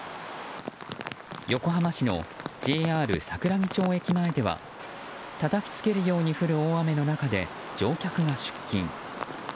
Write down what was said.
横浜市のＪＲ桜木町駅前では叩きつけるように降る大雨の中で乗客が出勤。